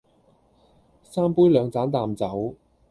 三杯兩盞淡酒，